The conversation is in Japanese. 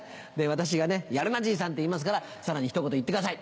私がね「やるなじいさん」って言いますからさらにひと言言ってください。